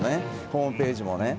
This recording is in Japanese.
ホームページもね。